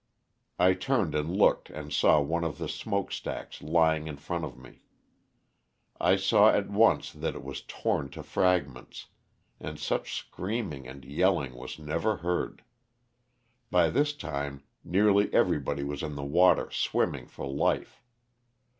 I turned and looked and saw one of the smoke stacks lying in front of me. I saw at once that it was torn to fragments, aad such screaming and yell ing was never heard. By this time nearly everybody was in the water swimming for life.